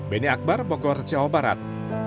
beni akbar bogor jawa barat